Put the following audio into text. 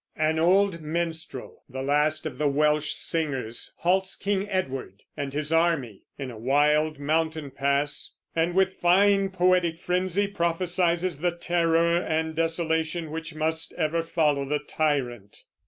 An old minstrel, the last of the Welsh singers, halts King Edward and his army in a wild mountain pass, and with fine poetic frenzy prophesies the terror and desolation which must ever follow the tyrant.